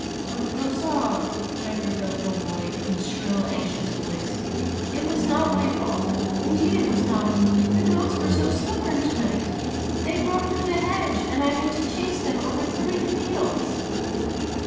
"But, Brossard," quavered the boy in his shrill, anxious voice, "it was not my fault, indeed it was not. The goats were so stubborn to night. They broke through the hedge, and I had to chase them over three fields."